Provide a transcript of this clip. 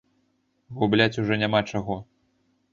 Губляць ужо няма чаго.